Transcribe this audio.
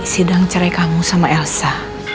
sidang cerai kamu sama elsa